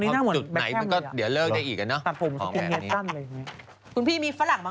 ของแมพนี้